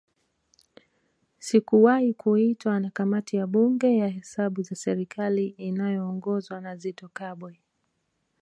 Sikuwahi kuitwa na Kamati ya Bunge ya Hesabu za serikali inayoongozwa na Zitto Kabwe